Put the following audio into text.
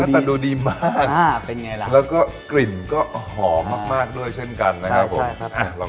ตาดูดีมากแล้วก็กลิ่นก็หอมมากด้วยเช่นกันนะครับผม